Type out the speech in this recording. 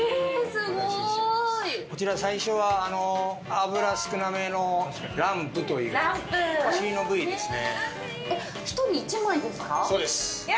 すごい。最初は脂少なめのランプという部位ですね。